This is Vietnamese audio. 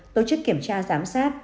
tổ chức kiểm tra giám sát